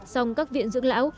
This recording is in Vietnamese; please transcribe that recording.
xong các viện dưỡng lão